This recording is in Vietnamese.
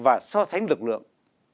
và so sánh lực lượng